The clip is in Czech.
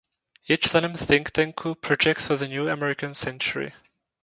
Je členem think tanku Project for the New American Century.